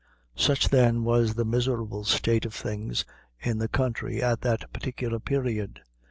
Such, then, was the miserable state of things in the country at that particular period.